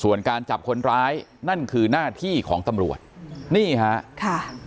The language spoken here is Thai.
ส่วนการจับคนร้ายนั่นคือหน้าที่ของตำรวจนี่ฮะค่ะ